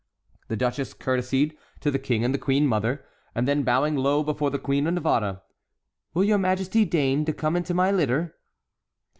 The duchess courtesied to the King and queen mother, and then, bowing low before the Queen of Navarre: "Will your majesty deign to come into my litter?"